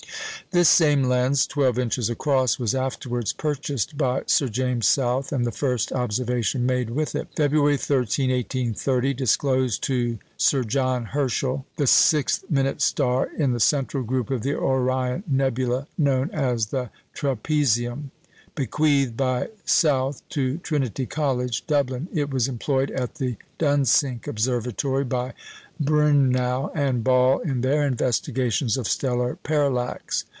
This same lens (12 inches across) was afterwards purchased by Sir James South, and the first observation made with it, February 13, 1830, disclosed to Sir John Herschel the sixth minute star in the central group of the Orion nebula, known as the "trapezium." Bequeathed by South to Trinity College, Dublin, it was employed at the Dunsink Observatory by Brünnow and Ball in their investigations of stellar parallax.